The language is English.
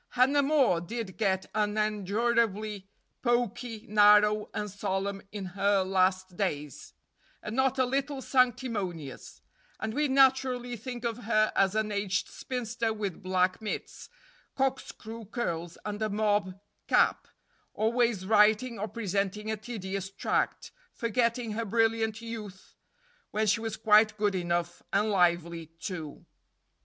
Hannah More did get unendurably poky, narrow, and solemn in her last days, and not a little sanctimonious; and we naturally think of her as an aged spinster with black mitts, corkscrew curls, and a mob cap, always writing or presenting a tedious tract, forgetting her brilliant youth, when she was quite good enough, and lively, too.